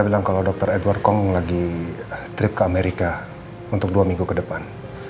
bilang kalau dokter edward kong lagi trip ke amerika untuk dua minggu kedepan